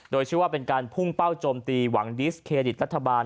โดยชื่อว่าเป็นการพุ่งเป้าโจมตีหวังดิสเครดิตรัฐบาล